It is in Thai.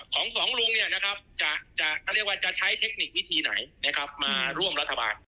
ของสองลุงจะใช้เทคนิควิธีไหนมาร่วมรัฐบาล